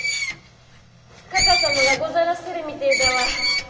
かか様がござらっせるみてだわ。